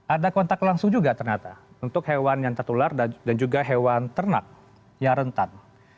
ada kontak langsung juga ternyata untuk hewan yang tertular dan juga hewan ternak yang rentan